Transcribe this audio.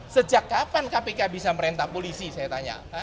sejak kapan kpk bisa merintah polisi saya tanya